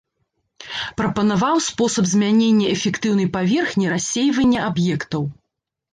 Прапанаваў спосаб змянення эфектыўнай паверхні рассейвання аб'ектаў.